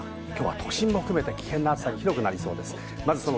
きょうは都心も含めて危険な暑さに広くなりそうです。